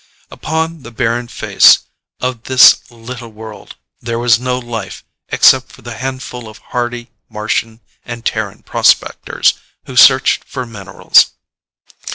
Upon the barren face of this little world there was no life except for the handful of hardy Martian and Terran prospectors who searched for minerals.